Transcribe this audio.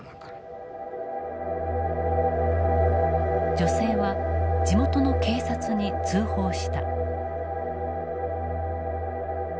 女性は地元の警察に通報した。